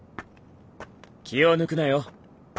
気を抜くなよ。